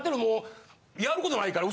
やることないから。